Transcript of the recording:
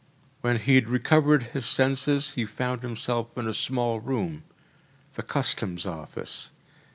When he had recovered his senses he found himself in a small room the customs office.